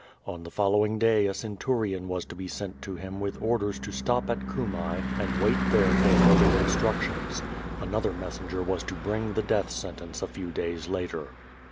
On the following day a centurion was to be sent to him with orders to stop at Cumae and wait there for further instruc tions; another messenger was to bring the death sentence a few days later.